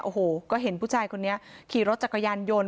โอ้โหก็เห็นผู้ชายคนนี้ขี่รถจักรยานยนต์